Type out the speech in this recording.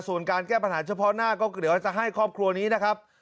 ส่วนการแก้ปัญหาเฉพาะหน้าก็เดี๋ยวจะให้ครอบครัวนี้นะครับ